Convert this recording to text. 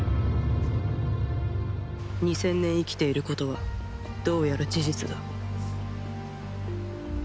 ２０００年生きていることはどうやら事実だ。